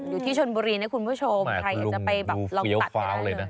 อยู่ที่ชนโบรีในคุณผู้ชมใครอยากจะไปแบบลองตัดอีกแนวเฟี้ยวเลยนะ